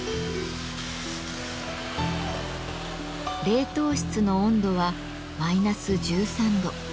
冷凍室の温度はマイナス１３度。